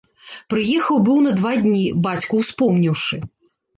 Прыехаў быў на два дні, бацьку ўспомніўшы.